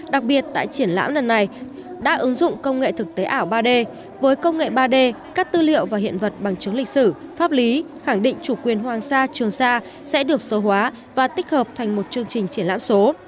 đặc biệt tại triển lãm lần này đã ứng dụng công nghệ thực tế ảo ba d với công nghệ ba d các tư liệu và hiện vật bằng chứng lịch sử pháp lý khẳng định chủ quyền hoàng sa trường sa sẽ được số hóa và tích hợp thành một chương trình triển lãm số